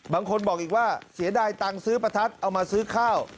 บางคนบอกอีกว่าเสียดายตังค์ซื้อประทัดเอามาซื้อข้าว